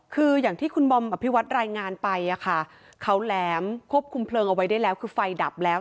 คืออย่างที่คุณบอมอภิวัตรายงานไปเขาแหลมควบคุมเพลิงเอาไว้ได้แล้วคือไฟดับแล้ว